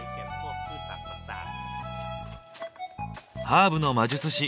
ハーブの魔術師